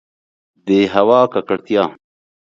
د هوا ککړتیا